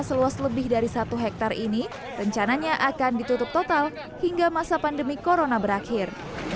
seluas lebih dari satu hektare ini rencananya akan ditutup total hingga masa pandemi corona berakhir